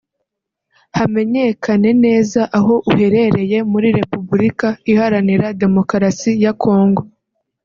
hamenyekane neza aho uherereye muri Repubulika iharanira Demokarasi ya Congo